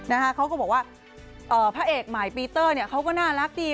เขาก็บอกว่าพระเอกใหม่ปีเตอร์เนี่ยเขาก็น่ารักดี